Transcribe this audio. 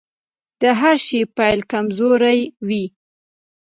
د هر شي پيل کمزوری وي .